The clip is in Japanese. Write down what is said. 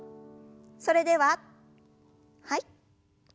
それでははい。